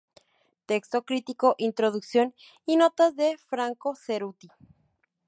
Texto crítico, introducción y notas de Franco Cerutti.